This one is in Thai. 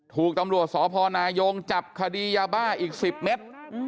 ถูกตำรวจสพนายงจับคดียาบ้าอีก๑๐เมตร